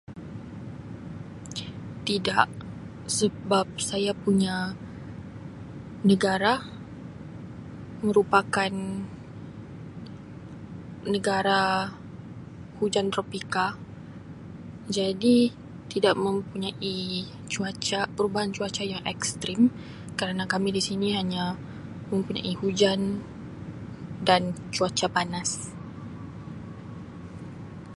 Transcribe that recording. "Tidak sebab saya punya negara merupakan negara hujan tropika jadi tidak mempunyai cuaca perubahan cuaca yang ""Extreme"" kerana kami disini hanya mempunyai hujan dan cuaca panas."